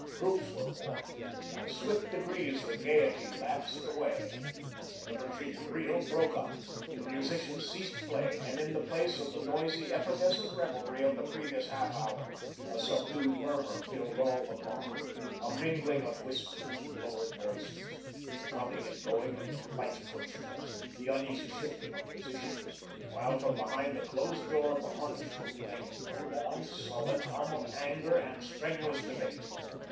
Groups were formed. By swift degrees the gayety lapsed away. The Virginia reel broke up. The musicians ceased playing, and in the place of the noisy, effervescent revelry of the previous half hour, a subdued murmur filled all the barn, a mingling of whispers, lowered voices, the coming and going of light footsteps, the uneasy shifting of positions, while from behind the closed doors of the harness room came a prolonged, sullen hum of anger and strenuous debate.